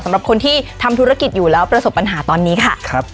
สำหรับคนที่ทำธุรกิจอยู่แล้วประสบปัญหาตอนนี้ค่ะครับ